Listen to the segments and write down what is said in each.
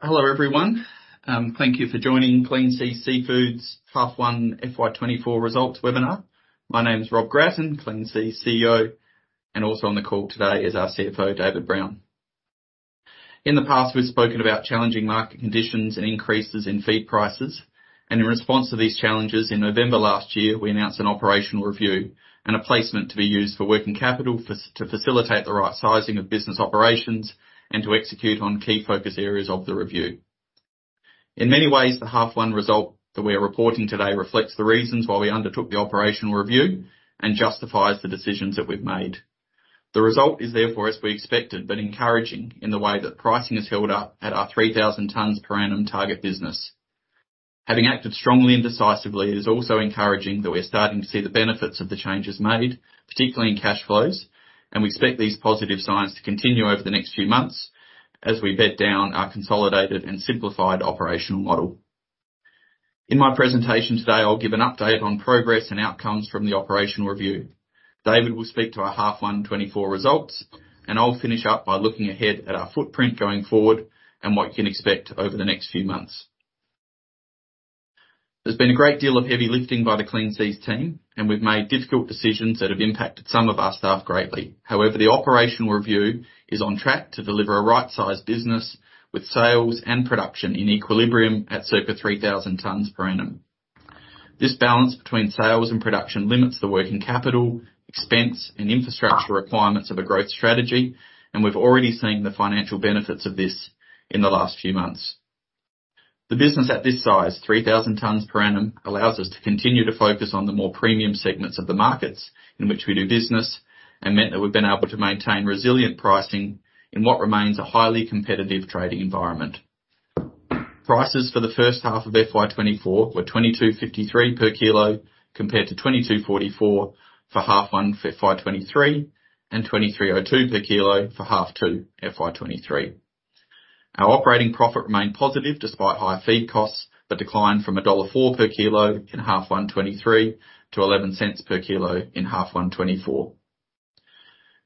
Hello everyone, thank you for joining Clean Seas Seafood's Half One FY24 Results Webinar. My name's Rob Gratton, Clean Seas CEO, and also on the call today is our CFO, David Brown. In the past, we've spoken about challenging market conditions and increases in feed prices, and in response to these challenges, in November last year we announced an operational review and a placement to be used for working capital to facilitate the right sizing of business operations and to execute on key focus areas of the review. In many ways, the half one result that we are reporting today reflects the reasons why we undertook the operational review and justifies the decisions that we've made. The result is therefore, as we expected, but encouraging in the way that pricing is held up at our 3,000 tonnes per annum target business. Having acted strongly and decisively is also encouraging that we're starting to see the benefits of the changes made, particularly in cash flows, and we expect these positive signs to continue over the next few months as we bed down our consolidated and simplified operational model. In my presentation today, I'll give an update on progress and outcomes from the operational review. David will speak to our half one 2024 results, and I'll finish up by looking ahead at our footprint going forward and what you can expect over the next few months. There's been a great deal of heavy lifting by the Clean Seas team, and we've made difficult decisions that have impacted some of our staff greatly. However, the operational review is on track to deliver a right-sized business with sales and production in equilibrium at circa 3,000 tonnes per annum. This balance between sales and production limits the working capital, expense, and infrastructure requirements of a growth strategy, and we've already seen the financial benefits of this in the last few months. The business at this size, 3,000 tonnes per annum, allows us to continue to focus on the more premium segments of the markets in which we do business and meant that we've been able to maintain resilient pricing in what remains a highly competitive trading environment. Prices for the first half of FY 2024 were 22.53 per kilo compared to 22.44 for half one FY 2023 and 23.02 per kilo for half two FY 2023. Our operating profit remained positive despite high feed costs, but declined from dollar 1.04 per kilo in half one 2023 to 0.11 per kilo in half one 2024.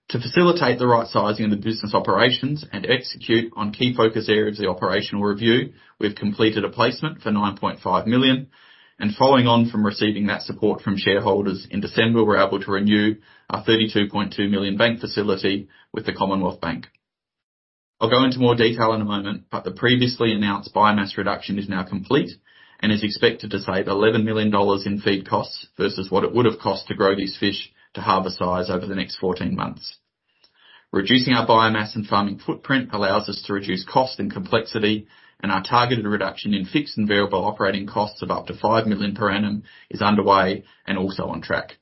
To facilitate the right sizing of the business operations and execute on key focus areas of the operational review, we've completed a placement for 9.5 million, and following on from receiving that support from shareholders in December, we're able to renew our 32.2 million bank facility with the Commonwealth Bank. I'll go into more detail in a moment, but the previously announced biomass reduction is now complete and is expected to save 11 million dollars in feed costs versus what it would have cost to grow these fish to harvest size over the next 14 months. Reducing our biomass and farming footprint allows us to reduce cost and complexity, and our targeted reduction in fixed and variable operating costs of up to 5 million per annum is underway and also on track.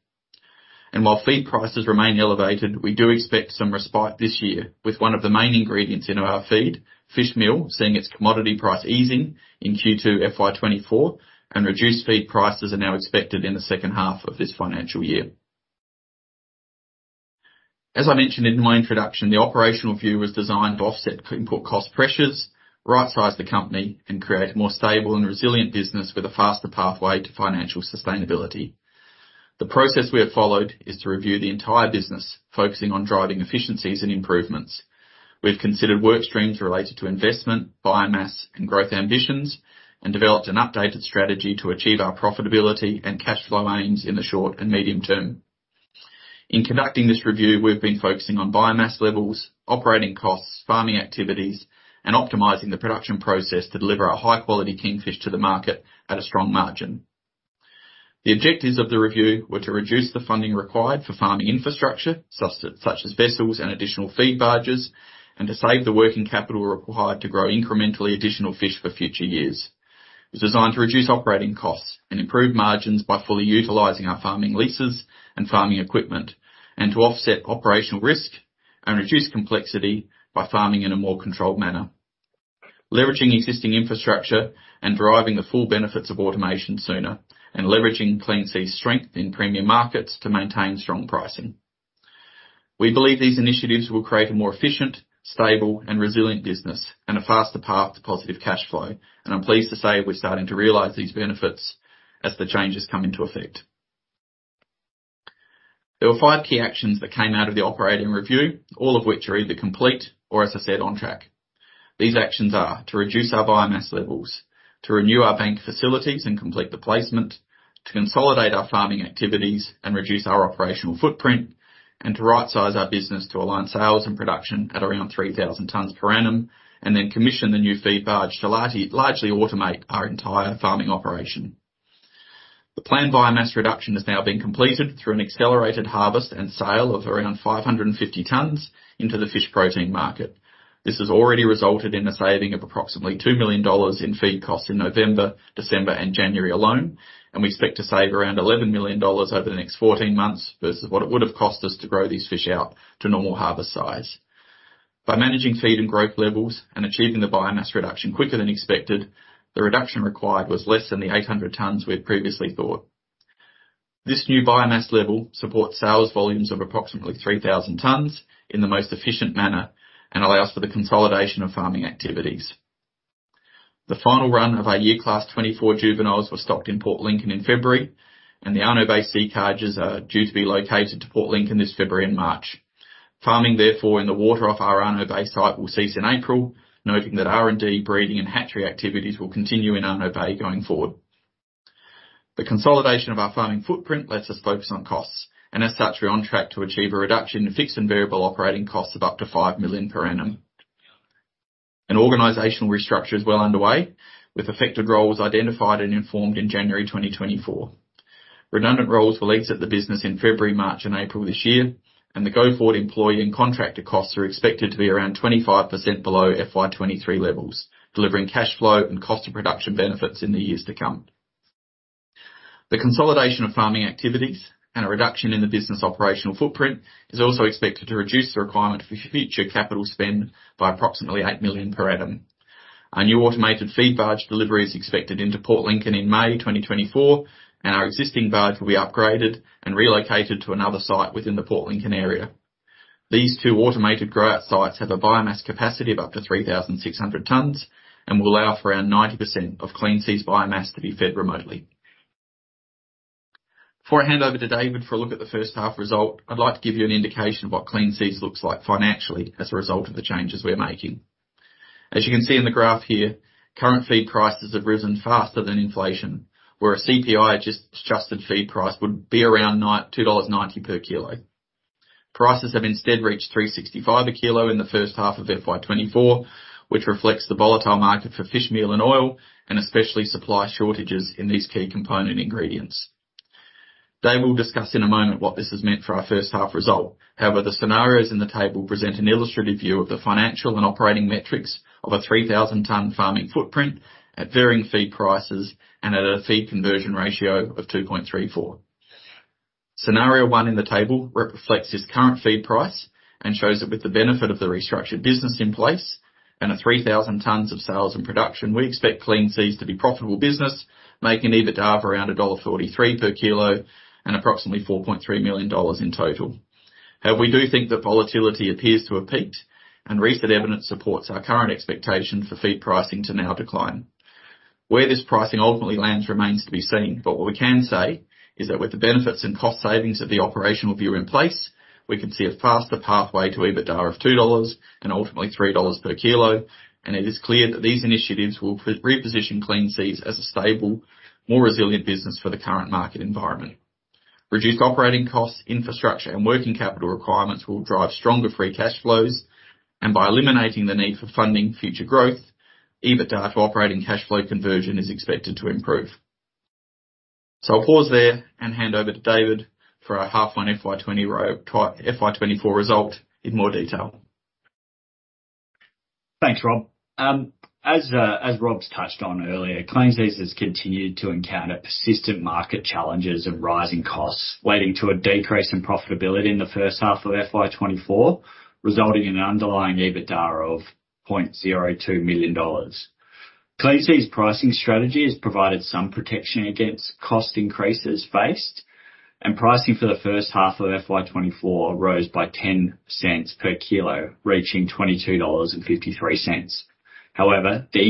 While feed prices remain elevated, we do expect some respite this year with one of the main ingredients in our feed, fishmeal, seeing its commodity price easing in Q2 FY 2024, and reduced feed prices are now expected in the second half of this financial year. As I mentioned in my introduction, the operational review was designed to offset input cost pressures, right-size the company, and create a more stable and resilient business with a faster pathway to financial sustainability. The process we have followed is to review the entire business, focusing on driving efficiencies and improvements. We've considered work streams related to investment, biomass, and growth ambitions and developed an updated strategy to achieve our profitability and cash flow aims in the short and medium term. In conducting this review, we've been focusing on biomass levels, operating costs, farming activities, and optimizing the production process to deliver a high-quality kingfish to the market at a strong margin. The objectives of the review were to reduce the funding required for farming infrastructure such as vessels and additional feed barges, and to save the working capital required to grow incrementally additional fish for future years. It was designed to reduce operating costs and improve margins by fully utilizing our farming leases and farming equipment, and to offset operational risk and reduce complexity by farming in a more controlled manner, leveraging existing infrastructure and deriving the full benefits of automation sooner, and leveraging Clean Seas' strength in premium markets to maintain strong pricing. We believe these initiatives will create a more efficient, stable, and resilient business and a faster path to positive cash flow, and I'm pleased to say we're starting to realize these benefits as the changes come into effect. There were five key actions that came out of the operating review, all of which are either complete or, as I said, on track. These actions are to reduce our biomass levels, to renew our bank facilities and complete the placement, to consolidate our farming activities and reduce our operational footprint, and to right-size our business to align sales and production at around 3,000 tonnes per annum and then commission the new feed barge to largely automate our entire farming operation. The planned biomass reduction has now been completed through an accelerated harvest and sale of around 550 tonnes into the fish protein market. This has already resulted in a saving of approximately 2 million dollars in feed costs in November, December, and January alone, and we expect to save around 11 million dollars over the next 14 months versus what it would have cost us to grow these fish out to normal harvest size. By managing feed and growth levels and achieving the biomass reduction quicker than expected, the reduction required was less than the 800 tonnes we had previously thought. This new biomass level supports sales volumes of approximately 3,000 tonnes in the most efficient manner and allows for the consolidation of farming activities. The final run of our Year Class 2024 juveniles was stocked in Port Lincoln in February, and the Arno Bay sea cages are due to be located to Port Lincoln this February and March. Farming, therefore, in the water off our Arno Bay site will cease in April, noting that R&D, breeding, and hatchery activities will continue in Arno Bay going forward. The consolidation of our farming footprint lets us focus on costs, and as such, we're on track to achieve a reduction in fixed and variable operating costs of up to 5 million per annum. An organizational restructure is well underway, with affected roles identified and informed in January 2024. Redundant roles will exit the business in February, March, and April this year, and the go-forward employee and contractor costs are expected to be around 25% below FY 2023 levels, delivering cash flow and cost of production benefits in the years to come. The consolidation of farming activities and a reduction in the business operational footprint is also expected to reduce the requirement for future capital spend by approximately 8 million per annum. Our new automated feed barge delivery is expected into Port Lincoln in May 2024, and our existing barge will be upgraded and relocated to another site within the Port Lincoln area. These two automated grow-out sites have a biomass capacity of up to 3,600 tons and will allow for around 90% of Clean Seas biomass to be fed remotely. Before I hand over to David for a look at the first half result, I'd like to give you an indication of what Clean Seas looks like financially as a result of the changes we're making. As you can see in the graph here, current feed prices have risen faster than inflation, where a CPI-adjusted feed price would be around 2.90 dollars per kilo. Prices have instead reached 3.65 a kilo in the first half of FY 2024, which reflects the volatile market for fishmeal and oil and especially supply shortages in these key component ingredients. David will discuss in a moment what this has meant for our first half result. However, the scenarios in the table present an illustrative view of the financial and operating metrics of a 3,000-tonne farming footprint at varying feed prices and at a feed conversion ratio of 2.34. Scenario one in the table reflects his current feed price and shows that with the benefit of the restructured business in place and a 3,000 tonnes of sales and production, we expect Clean Seas to be profitable business, making EBITDA of around dollar 1.43 per kilo and approximately 4.3 million dollars in total. However, we do think that volatility appears to have peaked, and recent evidence supports our current expectation for feed pricing to now decline. Where this pricing ultimately lands remains to be seen, but what we can say is that with the benefits and cost savings of the operational review in place, we can see a faster pathway to EBITDA of 2 dollars and ultimately 3 dollars per kilo, and it is clear that these initiatives will reposition Clean Seas as a stable, more resilient business for the current market environment. Reduced operating costs, infrastructure, and working capital requirements will drive stronger free cash flows, and by eliminating the need for funding future growth, EBITDA to operating cash flow conversion is expected to improve. So I'll pause there and hand over to David for our half one FY 2024 result in more detail. Thanks, Rob. As Rob's touched on earlier, Clean Seas has continued to encounter persistent market challenges and rising costs leading to a decrease in profitability in the first half of FY 2024, resulting in an underlying EBITDA of 0.02 million dollars. Clean Seas' pricing strategy has provided some protection against cost increases faced, and pricing for the first half of FY 2024 rose by 0.10 per kilo, reaching 22.53 dollars. However, the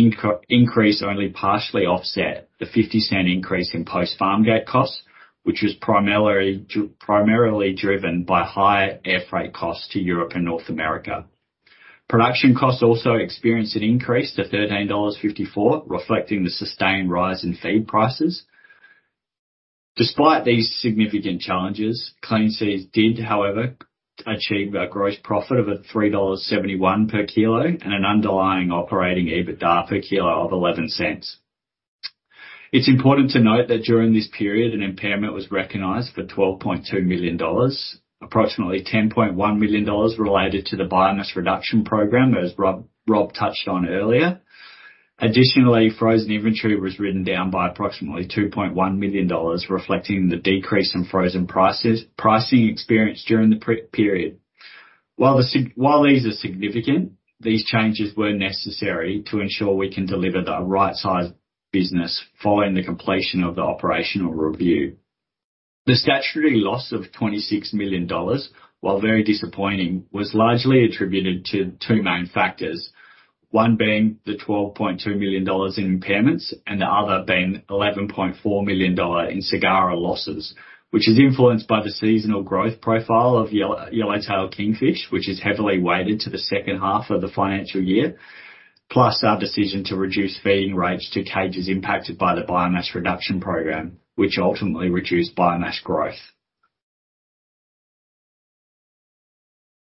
increase only partially offset the 0.50 increase in post-farm gate costs, which was primarily driven by higher air freight costs to Europe and North America. Production costs also experienced an increase to 13.54 dollars, reflecting the sustained rise in feed prices. Despite these significant challenges, Clean Seas did, however, achieve a gross profit of 3.71 dollars per kilo and an underlying operating EBITDA per kilo of 0.11. It's important to note that during this period, an impairment was recognized for 12.2 million dollars, approximately 10.1 million dollars related to the biomass reduction program as Rob touched on earlier. Additionally, frozen inventory was written down by approximately 2.1 million dollars, reflecting the decrease in frozen pricing experience during the period. While these are significant, these changes were necessary to ensure we can deliver the right-sized business following the completion of the operational review. The statutory loss of 26 million dollars, while very disappointing, was largely attributed to two main factors, one being the 12.2 million dollars in impairments and the other being 11.4 million dollars in SGARA losses, which is influenced by the seasonal growth profile of yellowtail kingfish, which is heavily weighted to the second half of the financial year, plus our decision to reduce feeding rates to cages impacted by the biomass reduction program, which ultimately reduced biomass growth.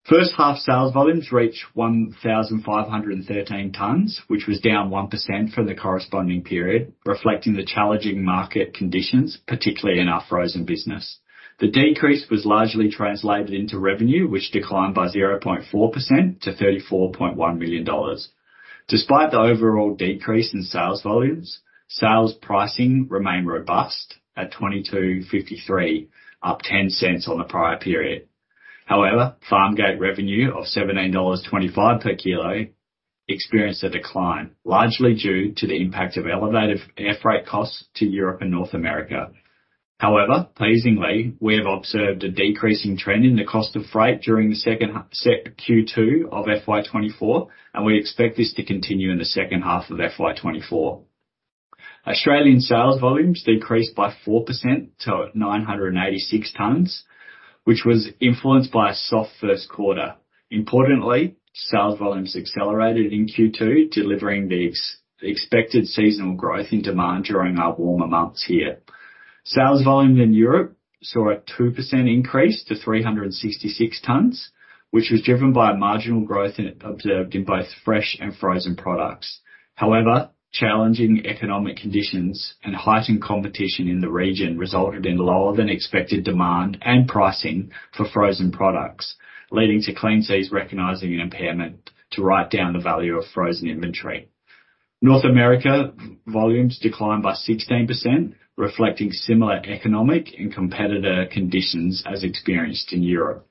First half sales volumes reached 1,513 tonnes, which was down 1% from the corresponding period, reflecting the challenging market conditions, particularly in our frozen business. The decrease was largely translated into revenue, which declined by 0.4% to 34.1 million dollars. Despite the overall decrease in sales volumes, sales pricing remained robust at 22.53, up 0.10 on the prior period. However, farm gate revenue of 17.25 dollars per kilo experienced a decline, largely due to the impact of elevated air freight costs to Europe and North America. However, pleasingly, we have observed a decreasing trend in the cost of freight during the second Q2 of FY 2024, and we expect this to continue in the second half of FY 2024. Australian sales volumes decreased by 4% to 986 tonnes, which was influenced by a soft first quarter. Importantly, sales volumes accelerated in Q2, delivering the expected seasonal growth in demand during our warmer months here. Sales volume in Europe saw a 2% increase to 366 tons, which was driven by marginal growth observed in both fresh and frozen products. However, challenging economic conditions and heightened competition in the region resulted in lower-than-expected demand and pricing for frozen products, leading to Clean Seas recognizing an impairment to write down the value of frozen inventory. North America volumes declined by 16%, reflecting similar economic and competitor conditions as experienced in Europe.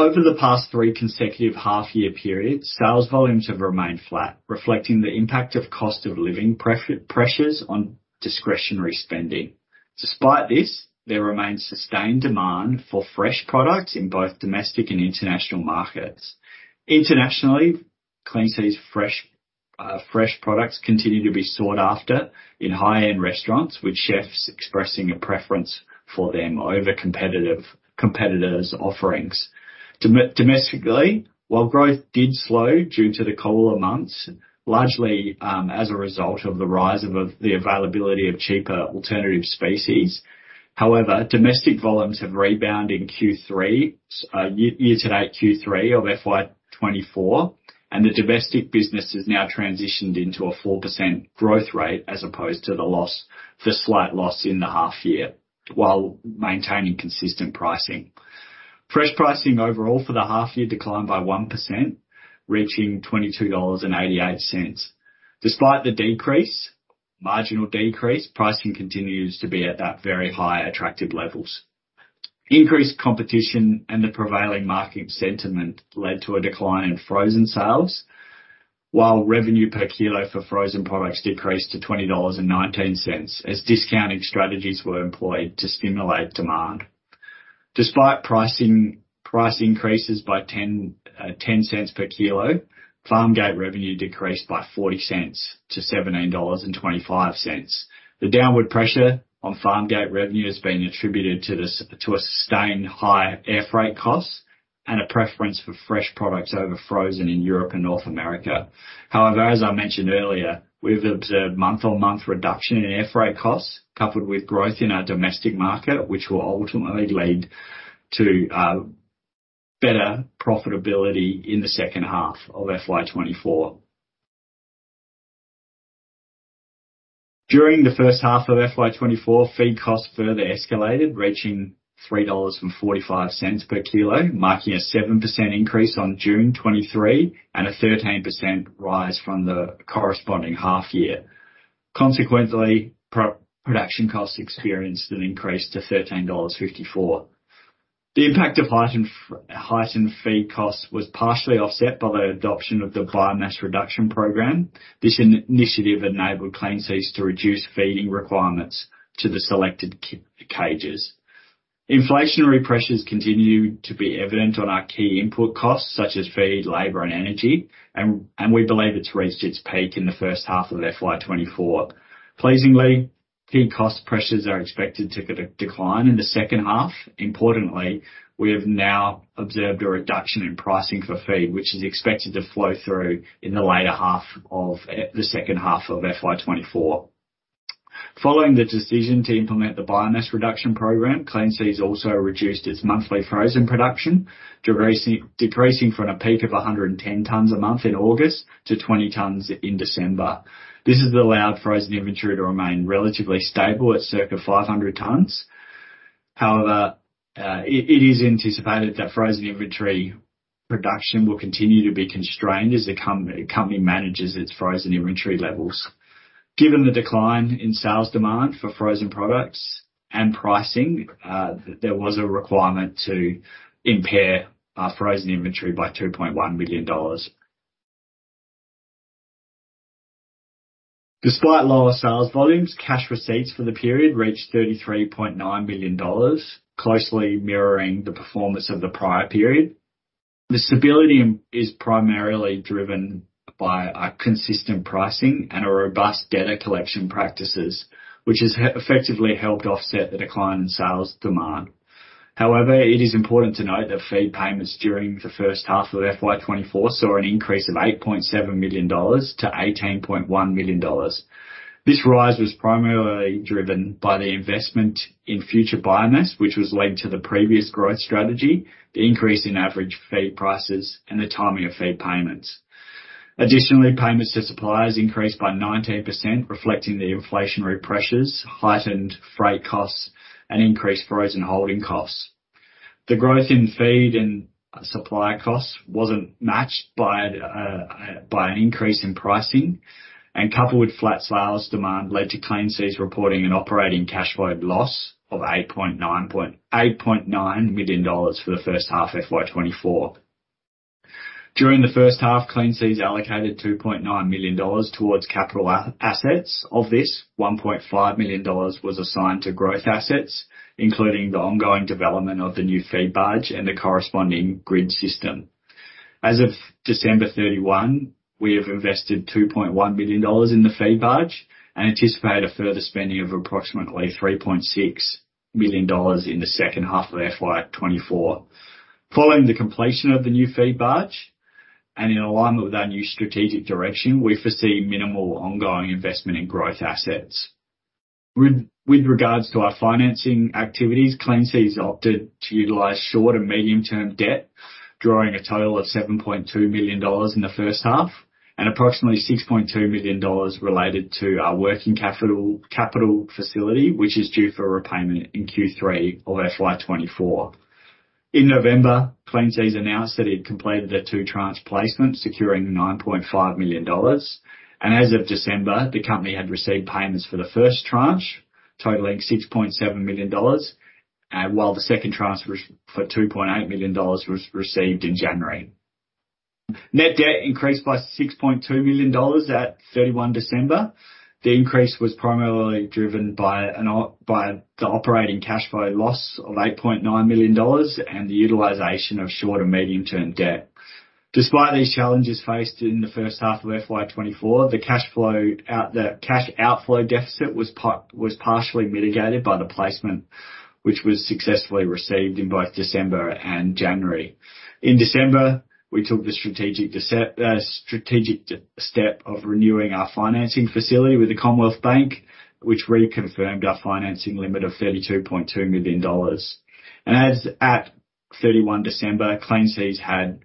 Over the past three consecutive half-year periods, sales volumes have remained flat, reflecting the impact of cost of living pressures on discretionary spending. Despite this, there remains sustained demand for fresh products in both domestic and international markets. Internationally, Clean Seas' fresh products continue to be sought after in high-end restaurants, with chefs expressing a preference for them over competitors' offerings. Domestically, while growth did slow due to the cooler months, largely as a result of the rise of the availability of cheaper alternative species, however, domestic volumes have rebounded year-to-date Q3 of FY 2024, and the domestic business has now transitioned into a 4% growth rate as opposed to the slight loss in the half-year while maintaining consistent pricing. Fresh pricing overall for the half-year declined by 1%, reaching 22.88 dollars. Despite the marginal decrease, pricing continues to be at that very high attractive levels. Increased competition and the prevailing market sentiment led to a decline in frozen sales, while revenue per kilo for frozen products decreased to 20.19 dollars as discounting strategies were employed to stimulate demand. Despite price increases by 0.10 per kilo, farm gate revenue decreased by 0.40-17.25 dollars. The downward pressure on farm gate revenue has been attributed to a sustained high air freight costs and a preference for fresh products over frozen in Europe and North America. However, as I mentioned earlier, we've observed month-on-month reduction in air freight costs coupled with growth in our domestic market, which will ultimately lead to better profitability in the second half of FY 2024. During the first half of FY 2024, feed costs further escalated, reaching 3.45 dollars per kilo, marking a 7% increase on June 23 and a 13% rise from the corresponding half-year. Consequently, production costs experienced an increase to 13.54 dollars. The impact of heightened feed costs was partially offset by the adoption of the biomass reduction program. This initiative enabled Clean Seas to reduce feeding requirements to the selected cages. Inflationary pressures continue to be evident on our key input costs such as feed, labor, and energy, and we believe it's reached its peak in the first half of FY 2024. Pleasingly, key cost pressures are expected to decline in the second half. Importantly, we have now observed a reduction in pricing for feed, which is expected to flow through in the later half of the second half of FY 2024. Following the decision to implement the biomass reduction program, Clean Seas also reduced its monthly frozen production, decreasing from a peak of 110 tonnes a month in August to 20 tonnes in December. This has allowed frozen inventory to remain relatively stable at circa 500 tonnes. However, it is anticipated that frozen inventory production will continue to be constrained as the company manages its frozen inventory levels. Given the decline in sales demand for frozen products and pricing, there was a requirement to impair frozen inventory by AUD 2.1 million. Despite lower sales volumes, cash receipts for the period reached 33.9 million dollars, closely mirroring the performance of the prior period. The stability is primarily driven by consistent pricing and robust data collection practices, which has effectively helped offset the decline in sales demand. However, it is important to note that feed payments during the first half of FY 2024 saw an increase of 8.7 million dollars to 18.1 million dollars. This rise was primarily driven by the investment in future biomass, which was linked to the previous growth strategy, the increase in average feed prices, and the timing of feed payments. Additionally, payments to suppliers increased by 19%, reflecting the inflationary pressures, heightened freight costs, and increased frozen holding costs. The growth in feed and supply costs wasn't matched by an increase in pricing, and coupled with flat sales demand led to Clean Seas reporting an operating cash flow loss of 8.9 million dollars for the first half of FY 2024. During the first half, Clean Seas allocated 2.9 million dollars towards capital assets. Of this, 1.5 million dollars was assigned to growth assets, including the ongoing development of the new feed barge and the corresponding grid system. As of December 31, we have invested 2.1 million dollars in the feed barge and anticipate a further spending of approximately 3.6 million dollars in the second half of FY 2024. Following the completion of the new feed barge and in alignment with our new strategic direction, we foresee minimal ongoing investment in growth assets. With regards to our financing activities, Clean Seas opted to utilize short and medium-term debt, drawing a total of 7.2 million dollars in the first half and approximately 6.2 million dollars related to our working capital facility, which is due for repayment in Q3 of FY 2024. In November, Clean Seas announced that it completed the two tranche placements, securing 9.5 million dollars. As of December, the company had received payments for the first tranche, totaling 6.7 million dollars, while the second tranche for 2.8 million dollars was received in January. Net debt increased by 6.2 million dollars at 31 December. The increase was primarily driven by the operating cash flow loss of 8.9 million dollars and the utilization of short and medium-term debt. Despite these challenges faced in the first half of FY 2024, the cash outflow deficit was partially mitigated by the placement, which was successfully received in both December and January. In December, we took the strategic step of renewing our financing facility with the Commonwealth Bank, which reconfirmed our financing limit of 32.2 million dollars. As at 31 December, Clean Seas had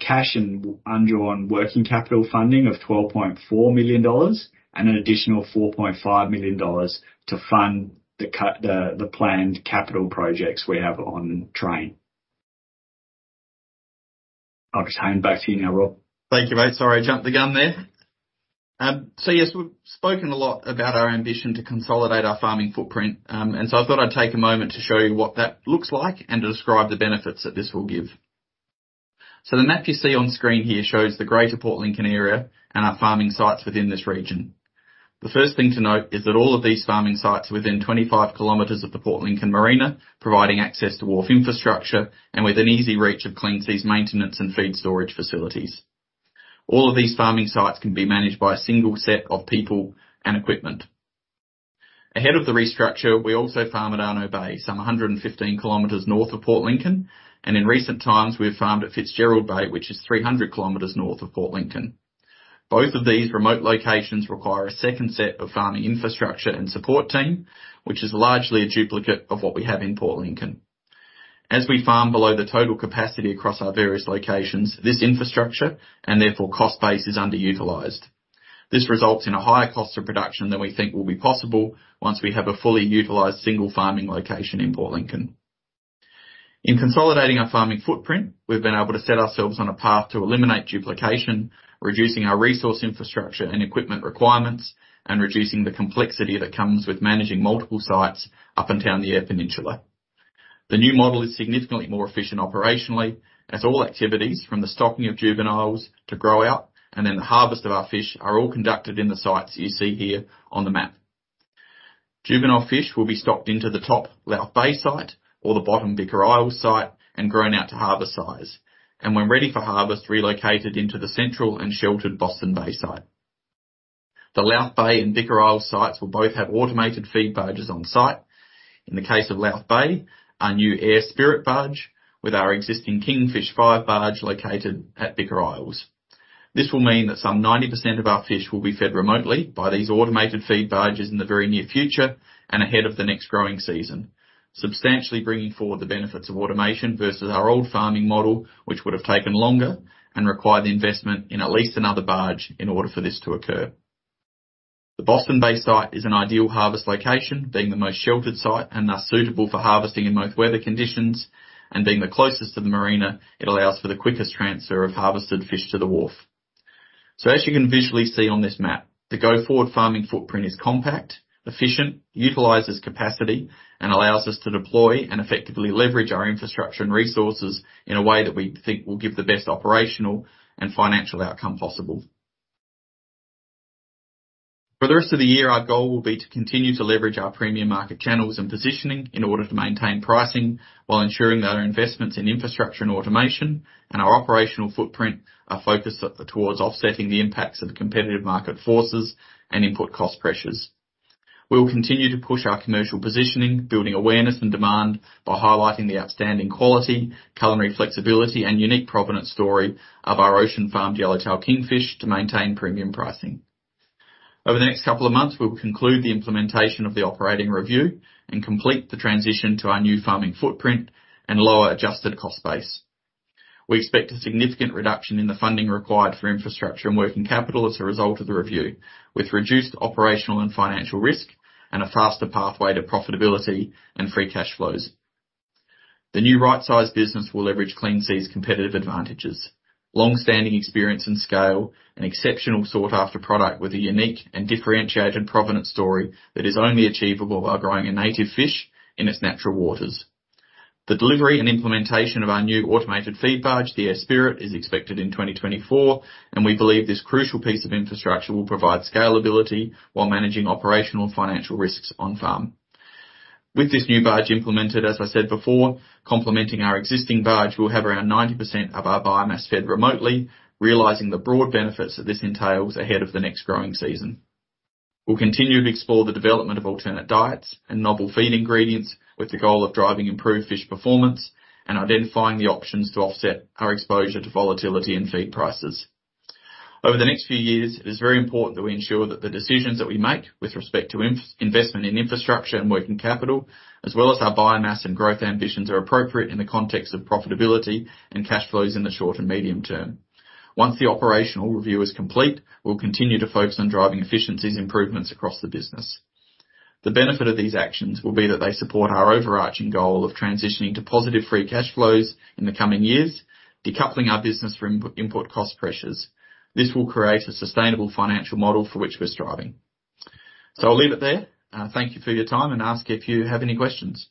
cash and undrawn working capital funding of 12.4 million dollars and an additional 4.5 million dollars to fund the planned capital projects we have on train. I'll just hand back to you now, Rob. Thank you, mate. Sorry I jumped the gun there. Yes, we've spoken a lot about our ambition to consolidate our farming footprint, and so I thought I'd take a moment to show you what that looks like and to describe the benefits that this will give. The map you see on screen here shows the greater Port Lincoln area and our farming sites within this region. The first thing to note is that all of these farming sites are within 25 kilometers of the Port Lincoln Marina, providing access to wharf infrastructure and with an easy reach of Clean Seas' maintenance and feed storage facilities. All of these farming sites can be managed by a single set of people and equipment. Ahead of the restructure, we also farmed at Arno Bay, some 115 kilometers north of Port Lincoln, and in recent times, we have farmed at Fitzgerald Bay, which is 300 kilometers north of Port Lincoln. Both of these remote locations require a second set of farming infrastructure and support team, which is largely a duplicate of what we have in Port Lincoln. As we farm below the total capacity across our various locations, this infrastructure and therefore cost base is underutilized. This results in a higher cost of production than we think will be possible once we have a fully utilized single farming location in Port Lincoln. In consolidating our farming footprint, we've been able to set ourselves on a path to eliminate duplication, reducing our resource infrastructure and equipment requirements, and reducing the complexity that comes with managing multiple sites up and down the Eyre Peninsula. The new model is significantly more efficient operationally, as all activities, from the stocking of juveniles to grow out and then the harvest of our fish, are all conducted in the sites you see here on the map. Juvenile fish will be stocked into the top Louth Bay site or the bottom Bicker Isles site and grown out to harvest size, and when ready for harvest, relocated into the central and sheltered Boston Bay site. The Louth Bay and Bicker Isles sites will both have automated feed barges on site. In the case of Louth Bay, our new Eyre Spirit barge with our existing Kingfish 5 barge located at Bicker Isles. This will mean that some 90% of our fish will be fed remotely by these automated feed barges in the very near future and ahead of the next growing season, substantially bringing forward the benefits of automation versus our old farming model, which would have taken longer and required the investment in at least another barge in order for this to occur. The Boston Bay site is an ideal harvest location, being the most sheltered site and thus suitable for harvesting in both weather conditions, and being the closest to the marina, it allows for the quickest transfer of harvested fish to the wharf. So as you can visually see on this map, the go-forward farming footprint is compact, efficient, utilizes capacity, and allows us to deploy and effectively leverage our infrastructure and resources in a way that we think will give the best operational and financial outcome possible. For the rest of the year, our goal will be to continue to leverage our premium market channels and positioning in order to maintain pricing while ensuring that our investments in infrastructure and automation and our operational footprint are focused towards offsetting the impacts of competitive market forces and input cost pressures. We will continue to push our commercial positioning, building awareness and demand by highlighting the outstanding quality, culinary flexibility, and unique provenance story of our ocean farmed yellowtail kingfish to maintain premium pricing. Over the next couple of months, we will conclude the implementation of the operating review and complete the transition to our new farming footprint and lower adjusted cost base. We expect a significant reduction in the funding required for infrastructure and working capital as a result of the review, with reduced operational and financial risk and a faster pathway to profitability and free cash flows. The new right-sized business will leverage Clean Seas' competitive advantages, longstanding experience and scale, an exceptional sought-after product with a unique and differentiated provenance story that is only achievable by growing a native fish in its natural waters. The delivery and implementation of our new automated feed barge, the Eyre Spirit, is expected in 2024, and we believe this crucial piece of infrastructure will provide scalability while managing operational and financial risks on farm. With this new barge implemented, as I said before, complementing our existing barge, we'll have around 90% of our biomass fed remotely, realizing the broad benefits that this entails ahead of the next growing season. We'll continue to explore the development of alternate diets and novel feed ingredients with the goal of driving improved fish performance and identifying the options to offset our exposure to volatility in feed prices. Over the next few years, it is very important that we ensure that the decisions that we make with respect to investment in infrastructure and working capital, as well as our biomass and growth ambitions, are appropriate in the context of profitability and cash flows in the short and medium term. Once the operational review is complete, we'll continue to focus on driving efficiency improvements across the business. The benefit of these actions will be that they support our overarching goal of transitioning to positive free cash flows in the coming years, decoupling our business from input cost pressures. This will create a sustainable financial model for which we're striving. So I'll leave it there. Thank you for your time, and ask if you have any questions.